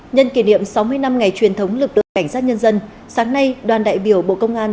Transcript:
nhân kỷ niệm sáu mươi năm ngày truyền thống lực lượng cảnh sát nhân dân sáng nay đoàn đại biểu bộ công an